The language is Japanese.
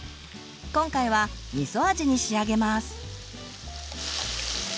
今回はみそ味に仕上げます。